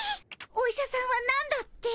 お医者さんはなんだって？